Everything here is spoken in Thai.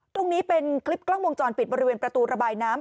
ตรงนี้เป็นคลิปกล้องวงจรปิดบริเวณประตูระบายน้ำ